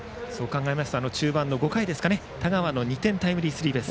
中盤の５回、田川の２点タイムリースリーベース。